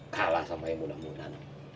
kalah sama yang muda muda